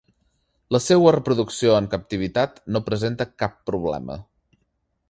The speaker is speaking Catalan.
La seua reproducció en captivitat no presenta cap problema.